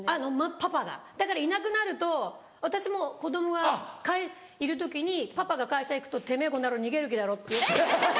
パパがだからいなくなると私も子供がいる時にパパが会社行くと「てめぇこの野郎逃げる気だろ」。